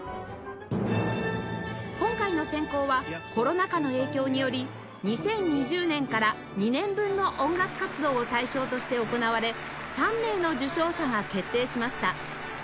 今回の選考はコロナ禍の影響により２０２０年から２年分の音楽活動を対象として行われ３名の受賞者が決定しました